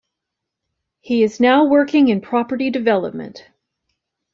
He is now working in property development.